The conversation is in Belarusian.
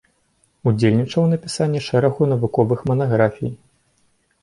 Удзельнічаў у напісанні шэрагу навуковых манаграфій.